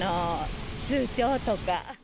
通帳とか。